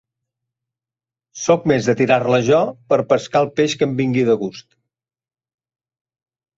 Soc més de tirar-la jo per pescar el peix que em vingui de gust.